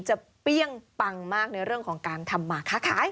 เปรี้ยงปังมากในเรื่องของการทำหมาค่าขาย